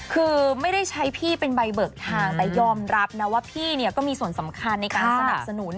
คือไม่ได้ใช้พี่เป็นใบเบิกทางแต่ยอมรับนะว่าพี่เนี่ยก็มีส่วนสำคัญในการสนับสนุน